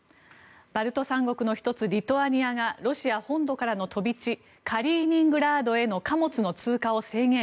バルト三国の１つリトアニアがロシア本土からの飛び地カリーニングラードへの貨物の通過を制限。